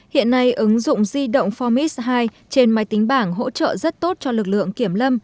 hiện nay ứng dụng di động formis hai trên máy tính bảng hỗ trợ rất tốt cho lực lượng kiểm lâm